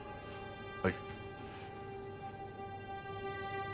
はい。